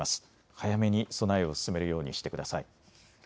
早めに備えを進めるようにしてください。